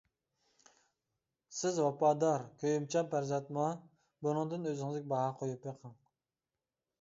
سىز ۋاپادار، كۆيۈمچان پەرزەنتمۇ؟ بۇنىڭدىن ئۆزىڭىزگە باھا قويۇپ بېقىڭ!